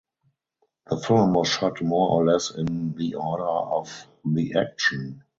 The film was shot more or less in the order of the action.